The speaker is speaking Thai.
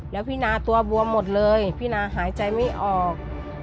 แล้วพี่นาตัวบวมหมดเลยพี่นาหายใจไม่ออก